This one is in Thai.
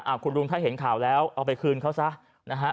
คุณลุงถ้าเห็นข่าวแล้วเอาไปคืนเขาซะนะฮะ